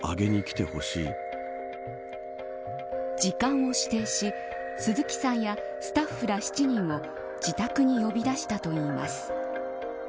時間を指定し鈴木さんやスタッフら７人を自宅に呼び出したといいます。